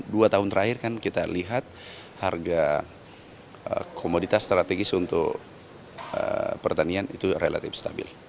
dua tahun terakhir kan kita lihat harga komoditas strategis untuk pertanian itu relatif stabil